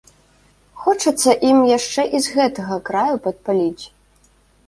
Хочацца ім яшчэ і з гэтага краю падпаліць.